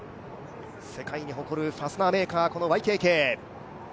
世界に誇るファスナーメーカー、ＹＫＫ。